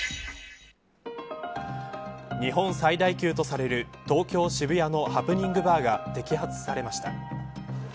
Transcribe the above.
日本最大級とされる東京、渋谷のハプニングバーが摘発されました。